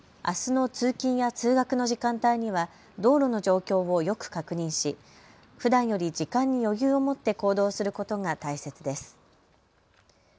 あすの通勤や通学の時間帯には道路の状況をよく確認しふだんより時間に余裕を持って行動することが大切です。